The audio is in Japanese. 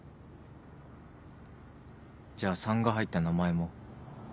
じゃあ３が入った名前も？